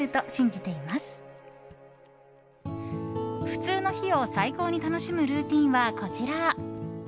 普通の日を最高に楽しむルーティンは、こちら。